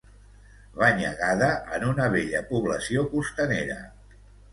Banyegada en una bella població costanera.